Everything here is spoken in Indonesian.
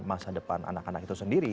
masa depan anak anak itu sendiri